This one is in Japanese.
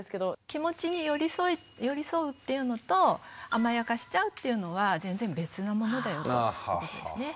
気持ちに寄り添うっていうのと甘やかしちゃうっていうのは全然別のものだよということですよね。